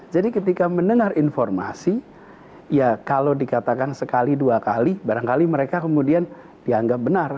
jadi ketika mendengar informasi ya kalau dikatakan sekali dua kali barangkali mereka kemudian dianggap benar